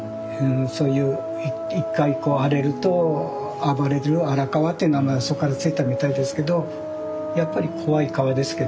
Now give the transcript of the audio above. そういう一回荒れると暴れる「荒川」っていう名前はそっから付いたみたいですけどやっぱり怖い川ですけどね。